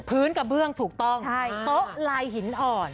พื้นกระเบื้องถูกต้องโต๊ะลายหินอ่อน